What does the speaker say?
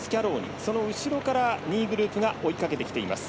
その後ろから２位グループが追いかけてきています。